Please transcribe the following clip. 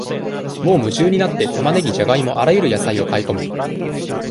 もう夢中になって、玉ねぎ、じゃがいも、あらゆる野菜を買い込む。